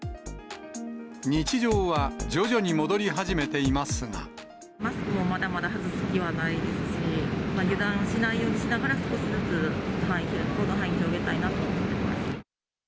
日常は徐々に戻り始めていまマスクもまだまだ外す気はないですし、油断しないようにしながら、少しずつ行動範囲を広げたいなと思ってます。